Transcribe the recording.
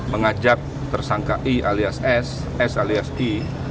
mengajak tersangka i alias s s alias i